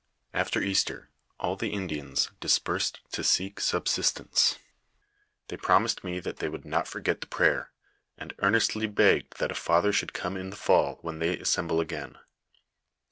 After Easter, all the Indians dispersed to seek subsistence ; they promised me that they would not forget the prayer, and earnestly begged that a father should come in the fall when they assemble again.